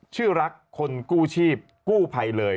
ชื่อรักคนกู้ชีพกู้ภัยเลย